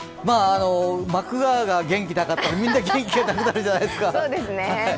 まく側が元気なかったら、みんな元気出ないじゃないですか。